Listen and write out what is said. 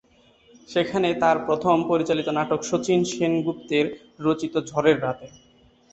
সেখানে তার প্রথম পরিচালিত নাটক শচীন সেনগুপ্তের রচিত ঝড়ের রাতে।